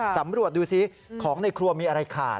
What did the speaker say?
สำรวจดูสิของในครัวมีอะไรขาด